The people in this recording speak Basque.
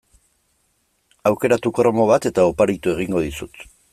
Aukeratu kromo bat eta oparitu egingo dizut.